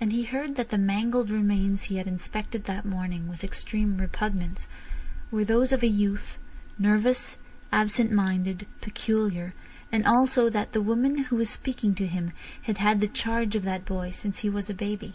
And he heard that the mangled remains he had inspected that morning with extreme repugnance were those of a youth, nervous, absent minded, peculiar, and also that the woman who was speaking to him had had the charge of that boy since he was a baby.